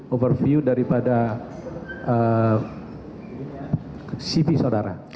overview daripada cv saudara